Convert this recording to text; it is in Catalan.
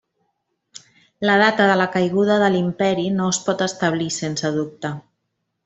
La data de la caiguda de l'Imperi no es pot establir sense dubte.